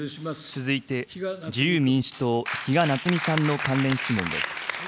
続いて自由民主党、比嘉奈津美さんの関連質問です。